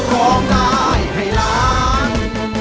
ร้องได้ให้ล้าน